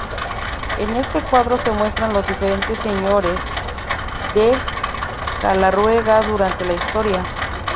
En este cuadro se muestran los diferentes Señores de Caleruega durante la historia.